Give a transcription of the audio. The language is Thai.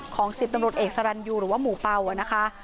ของศิษย์ตำรวจเอกสรรยูหรือว่าหมูเป่านะคะ